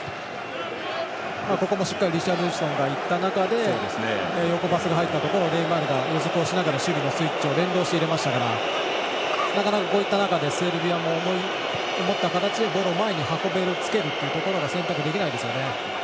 ここもしっかりリシャルリソンがいったところ横パスが入ったところネイマールが予測をしながら守備の予測と連動して入れましたからこういった中でセルビアも思った形でボールを前に運ぶつけるっていうところが選択できないですよね。